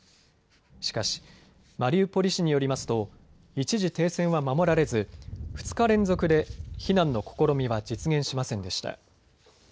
しかしマリウポリ市によりますと一時停戦は守られず、２日連続で避難の試みは実現しませんでした。